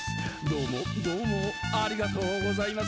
「どうもどうもありがとうございます」